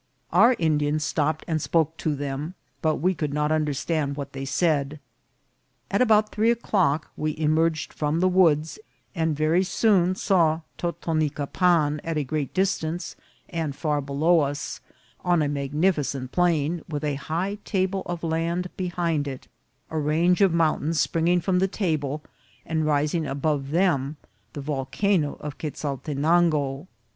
Our Indians stopped and spoke to them, but we could not under stand what they said. At about three o'clock we emer ged from the woods, and very soon saw Totonicapan, at a great distance, and far below us, on a magnificent plain, with a high table of land behind it, a range of mountains springing from the table, and rising above them the Volcano of Quezaltenango.